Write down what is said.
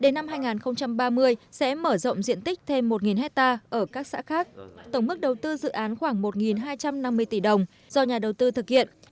đến năm hai nghìn ba mươi sẽ mở rộng diện tích thêm một hectare ở các xã khác tổng mức đầu tư dự án khoảng một hai trăm năm mươi tỷ đồng do nhà đầu tư thực hiện